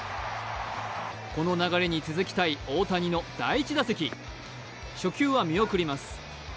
この流れに続きたい大谷の第１打席初球は見送ります。